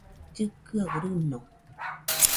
llɨkɨaɨ rɨño